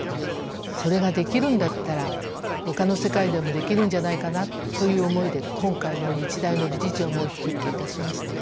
それができるんだったらほかの世界でもできるんじゃないかなという思いで今回の日大の理事長もお引き受けいたしました。